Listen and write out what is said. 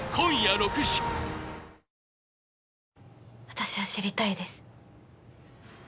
私は知りたいです